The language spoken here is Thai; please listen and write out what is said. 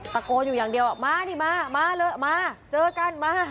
ตะโกนอยู่อย่างเดียวมานี่มามาเลยมาเจอกันมา